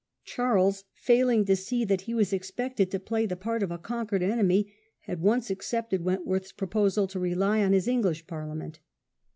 Charles, failing to see that he was expected to play the part of a conquered enemy, at once accepted Wentworth's proposal to rely on his English Parliament.